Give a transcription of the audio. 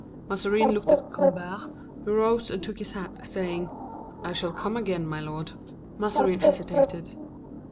Mazarin looked a Colbert, who rose and took his hat, saying: "I shall come again, my lord." Mazarin hesitated.